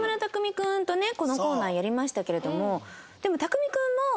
君とねこのコーナーやりましたけれども。